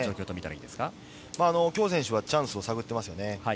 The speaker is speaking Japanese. キョウ選手はチャンスを探っていますね。